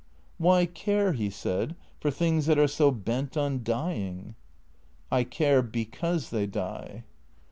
" Why care," he said, " for things that are so bent on dying? "" I care — because they die."